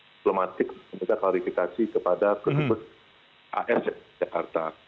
diplomatik meminta klarifikasi kepada duta besar as jakarta